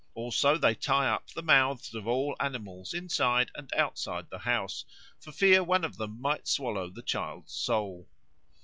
Also they tie up the mouths of all animals inside and outside the house, for fear one of them might swallow the child's soul.